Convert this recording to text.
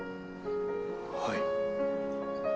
はい。